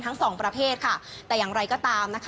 ทั้งสองประเภทค่ะแต่อย่างไรก็ตามนะคะ